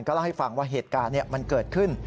เล่าให้ฟังว่าเหตุการณ์มันเกิดขึ้น